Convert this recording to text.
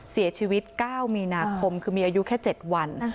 เสียชีวิต๙มีนาคมคือมีอายุแค่๗วัน